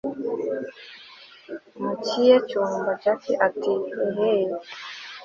mkiye cyumba jack ati eeeh